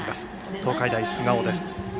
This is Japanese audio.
東海大菅生です。